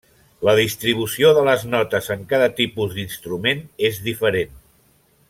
La distribució de les notes en cada tipus d'instrument és diferent.